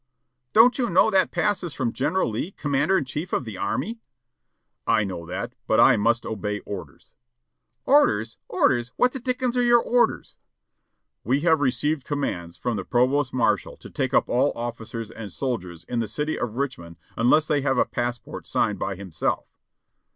"Don't you know that pass is from General Lee, Commander in Chief of the Army?" "I know that, but I must obey orders." "Orders! orders! what the dickens are your orders?" "We have received commands from the provost marshal to take up all officers and soldiers in the city of Richmond unless they have a passport signed by himself."